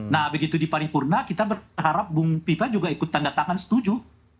nah begitu di pari purna kita berharap bung pipa juga ikut tanggatangan setuju